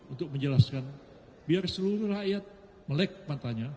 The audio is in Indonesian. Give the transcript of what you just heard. untuk menjelaskan biar seluruh rakyat melek matanya